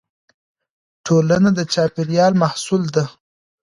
ټولنه د چاپېريال محصول ده.